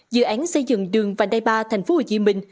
dự án xây dựng đường vành đai ba tp hcm